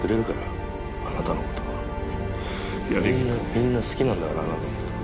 みんな好きなんだからあなたのこと。